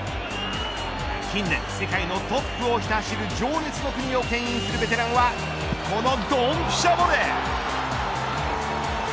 近年、世界のトップをひた走る情熱の国をけん引するベテランはこのどんぴしゃボレー。